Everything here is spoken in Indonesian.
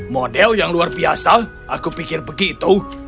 model yang luar biasa aku pikir begitu